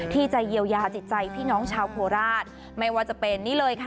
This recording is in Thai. ที่จะเยียวยาจิตใจพี่น้องชาวโคราชไม่ว่าจะเป็นนี่เลยค่ะ